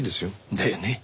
だよね。